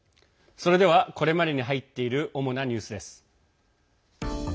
それではこれまでに入っている主なニュースです。